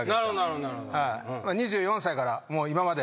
２４歳から今まで。